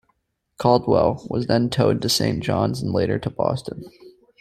"Caldwell" was then towed to Saint John's and later to Boston.